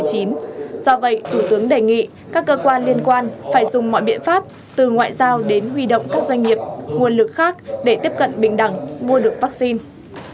do vậy thủ tướng đề nghị các cơ quan liên quan phải dùng mọi biện pháp từ ngoại giao đến huy động các doanh nghiệp nguồn lực khác để tiếp cận bình đẳng mua được vaccine